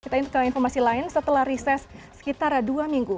kita ke informasi lain setelah riset sekitar dua minggu